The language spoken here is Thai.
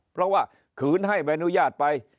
เพราะว่าขืนให้ใบอนุญาตไป